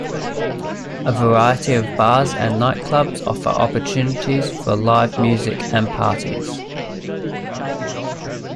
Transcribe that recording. A variety of bars and night clubs offer opportunities for live music and parties.